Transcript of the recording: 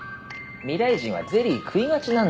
未来人はゼリー食いがちなんだよ